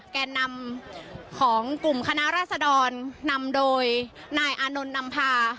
แก่นำของกลุ่มคณะราษดรนำโดยนายอานนท์นำพา